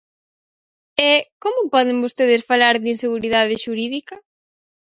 E ¿como poden vostedes falar de inseguridade xurídica?